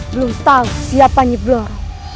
belum tahu siapa nyeblor